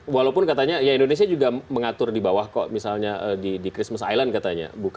walaupun katanya ya indonesia juga mengatur di bawah kok misalnya di christmas island katanya